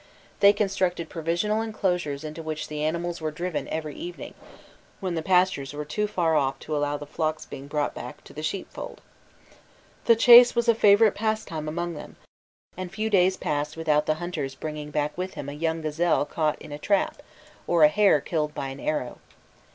They constructed provisional enclosures into which the animals were driven every evening, when the pastures were too far off to allow of the flocks being brought back to the sheepfold. The chase was a favourite pastime among them, and few days passed without the hunter's bringing back with him a young gazelle caught in a trap, or a hare killed by an arrow.